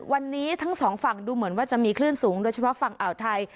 วันนี้ทั้งสองฝั่งดูเหมือนว่าจะมีคลื่นสูงโดยเฉพาะฝั่งอ่าวไทย